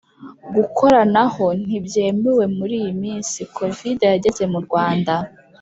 Gukoranaho ntibyemewe muri iyi minsi covid yageze mu Rwanda